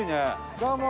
どうも！